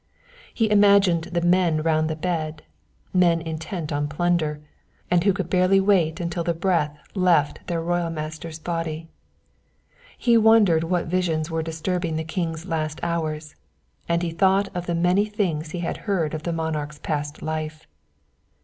He imagined the men round the bed, men intent on plunder, and who could barely wait until the breath left their royal master's body. He wondered what visions were disturbing the king's last hours, and he thought of the many things he had heard of the monarch's past life.